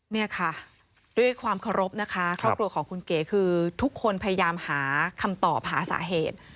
เนี่ยค่ะด้วยความเคารพนะคะครอบครัวของคุณเก๋คือทุกคนพยายามหาคำตอบหาสาเหตุ